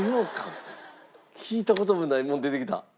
聞いた事もないもの出てきた。